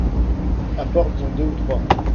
Apportes-en deux ou trois.